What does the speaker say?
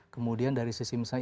kemudian dari sisi misalnya